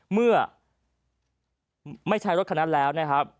เมื่อไม่ใช้รถขณะแล้ว